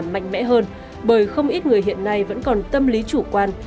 mạnh mẽ hơn bởi không ít người hiện nay vẫn còn tâm lý chủ quan